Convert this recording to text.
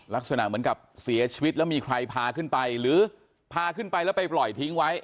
ลักษณะเหมือนกับเสียชีวิตแล้วมีใครพาขึ้นไปหรือพาขึ้นไปแล้วไปปล่อยทิ้งไว้